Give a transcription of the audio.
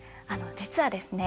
実はですね